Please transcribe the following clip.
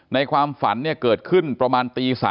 ในความฝันเนี่ยเกิดขึ้นประมาณตี๓